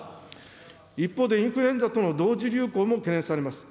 一方で、インフルエンザとの同時流行も懸念されます。